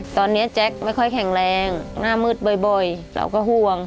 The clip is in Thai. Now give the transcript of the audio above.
ตอนนี้แจ๊คไม่ค่อยแข็งแรงหน้ามืดบ่อยเราก็ห่วง